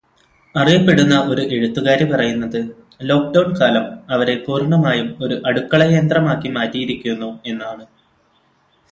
അറിയപ്പെടുന്ന ഒരു എഴുത്തുകാരി പറയുന്നത് ലോക്ക്ഡൗൺ കാലം അവരെ പൂർണമായും ഒരു 'അടുക്കളയന്ത്രമാക്കി' മാറ്റിയിരിക്കുന്നു എന്നാണ്.